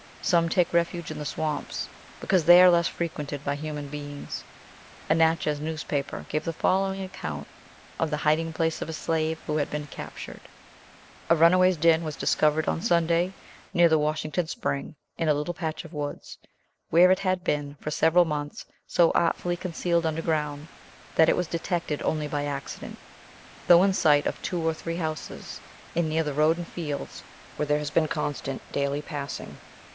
Some take refuge in the swamps, because they are less frequented by human beings. A Natchez newspaper gave the following account of the hiding place of a slave who had been captured: "A runaway's den was discovered on Sunday, near the Washington Spring, in a little patch of woods, where it had been for several months so artfully concealed under ground, that it was detected only by accident, though in sight of two or three houses, and near the road and fields where there has been constant daily passing.